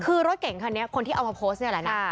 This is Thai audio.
คือรถเก่งคันนี้คนที่เอามาโพสต์นี่แหละนะ